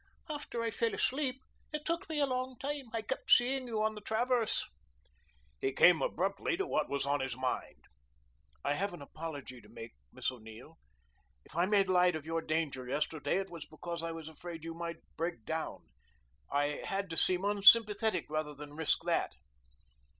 "After I fell asleep. It took me a long time. I kept seeing you on the traverse." He came abruptly to what was on his mind. "I have an apology to make, Miss O'Neill. If I made light of your danger yesterday, it was because I was afraid you might break down. I had to seem unsympathetic rather than risk that."